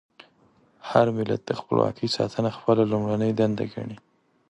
هر ملت د خپلواکۍ ساتنه خپله لومړنۍ دنده ګڼي.